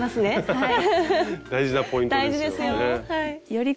はい。